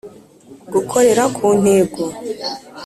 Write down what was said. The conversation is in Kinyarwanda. Gukorera ku ntego